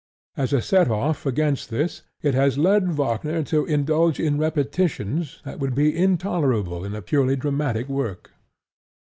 As a set off against this, it has led Wagner to indulge in repetitions that would be intolerable in a purely dramatic work.